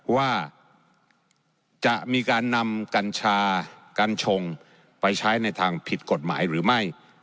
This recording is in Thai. ว่าจะมีการนำกัญชากัญชงไปใช้ในทางผิดกฎหมายหรือไม่